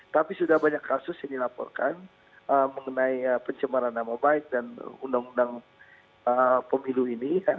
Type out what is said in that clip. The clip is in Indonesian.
tapi sudah banyak kasus yang dilaporkan mengenai pencemaran nama baik dan undang undang pemilu ini